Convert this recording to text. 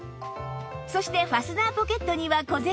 そしてファスナーポケットには小銭